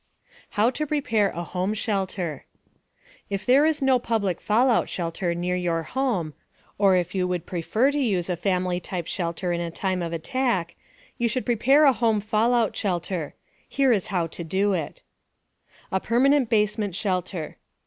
HOW TO PREPARE A HOME SHELTER If there is no public fallout shelter near your home, or if you would prefer to use a family type shelter in a time of attack, you should prepare a home fallout shelter. Here is how to do it: * A PERMANENT BASEMENT SHELTER.